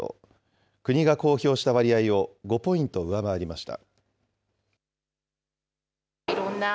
国が公表した割合を５ポイント上回りました。